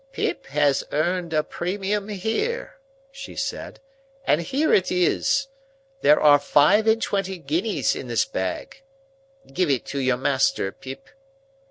"Pip has earned a premium here," she said, "and here it is. There are five and twenty guineas in this bag. Give it to your master, Pip."